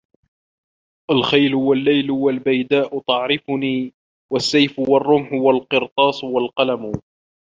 الخَيْـلُ وَاللّيْـلُ وَالبَيْـداءُ تَعرِفُنـي وَالسّيفُ وَالرّمحُ والقرْطاسُ وَالقَلَـم